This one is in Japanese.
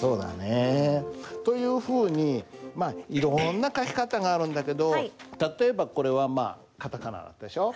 そうだねえ。というふうにまあいろんな書き方があるんだけど例えばこれはまあカタカナでしょう。